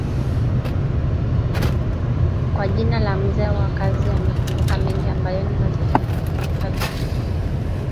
kwa jina la Mzee wa Kazi amefunguka mengi ambayo ni wazi yatawapa mzuka zaidi